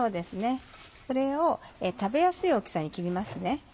これを食べやすい大きさに切りますね。